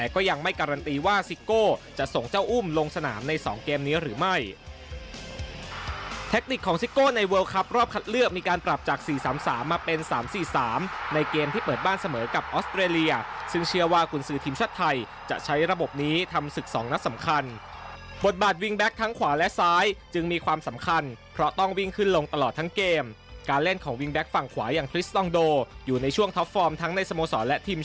ของเจ้าอุ้มลงสนามในสองเกมนี้หรือไม่แทคติกของซิโก้ในเวิลคับรอบคัดเลือกมีการปรับจาก๔๓๓มาเป็น๓๔๓ในเกมที่เปิดบ้านเสมอกับออสเตรเลียซึ่งเชื่อว่ากุลซื้อทีมชาติไทยจะใช้ระบบนี้ทำศึกสองนักสำคัญบทบาทวิ่งแบ็คทั้งขวาและซ้ายจึงมีความสำคัญเพราะต้องวิ่งขึ้นลงตล